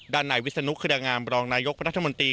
ด้านในวิสุนุกเครื่องงามบรนรัฐมนตรี